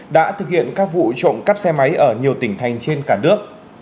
đã thực hiện các vụ trộm cắp xe máy ở nhiều tỉnh thành trên cả nước